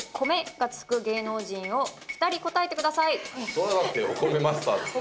そりゃだってお米マイスターですから。